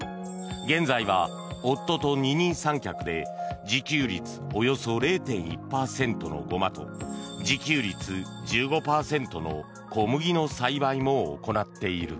現在は夫と二人三脚で自給率およそ０．１％のゴマと自給率１５％の小麦の栽培も行っている。